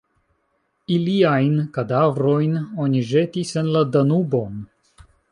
Iliajn kadavrojn oni ĵetis en la Danubon.